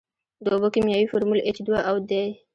د اوبو کیمیاوي فارمول ایچ دوه او دی.